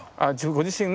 ご自身の？